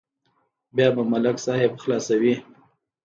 بیا به ملک صاحب خلاصوي.